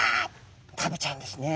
食べちゃうんですね。